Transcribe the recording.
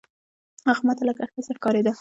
هغه ما ته لکه ښځه ښکارېده.